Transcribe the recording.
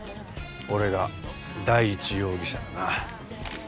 俺が第一容疑者だな。